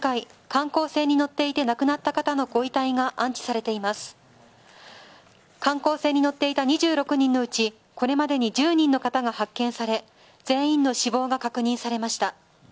観光船に乗っていた２６人のうちこれまでに１０人の方が発見され全員の死亡が確認されました。